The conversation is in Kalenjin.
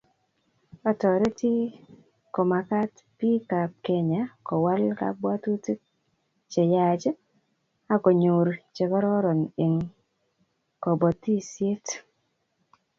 Otoroti komagat bikap Kenya Kowal kabwatutik cheyach akonyor chekororon eng kobotisiet